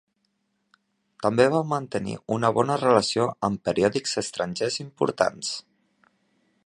També va mantenir una bona relació amb periòdics estrangers importants.